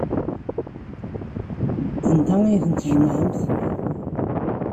Anda ay tent-tjemɛemt?